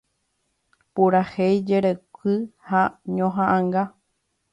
Purahéi, jeroky ha ñoha'ãnga.